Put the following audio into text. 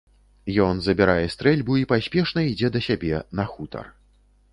Ён забірае стрэльбу і паспешна ідзе да сябе, на хутар.